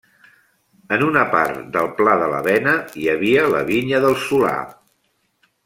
En una part del pla de la Bena hi havia la Vinya del Solà.